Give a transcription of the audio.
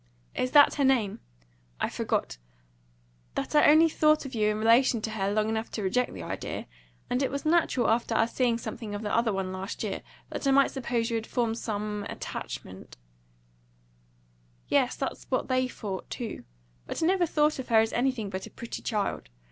"Is that her name? I forgot that I only thought of you in relation to her long enough to reject the idea; and it was natural after our seeing something of the other one last year, that I might suppose you had formed some attachment " "Yes; that's what they thought too. But I never thought of her as anything but a pretty child.